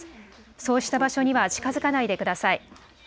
そうした場所には近づかないでください。